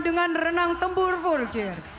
dengan renang tempur full gear